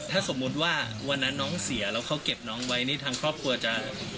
ถ้าสมมุติว่าวันนั้นน้องเสียแล้วเขาเก็บน้องไว้นี่ทางครอบครัวจะ